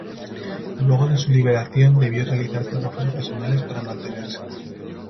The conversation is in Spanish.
Luego de su liberación debió realizar trabajos ocasionales para mantenerse.